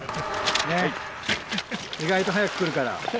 ねっ意外と早くくるから。